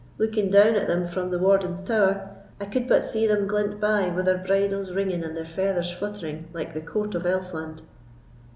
Looking down at them from the Warden's Tower, I could but see them glent by wi' their bridles ringing and their feathers fluttering, like the court of Elfland."